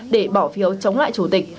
để bỏ phiếu chống lại chủ tịch